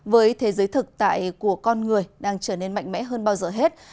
với thế giới thực tại của con người đang trở nên mạnh mẽ hơn bao giờ hết